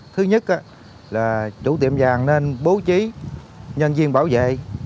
thứ nhất là chủ tiệm vàng nên bố trí nhân viên bảo vệ